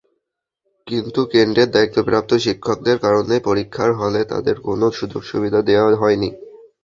কিন্তু কেন্দ্রের দায়িত্বপ্রাপ্ত শিক্ষকদের কারণে পরীক্ষার হলে তাঁদের কোনো সুযোগ-সুবিধা দেওয়া হয়নি।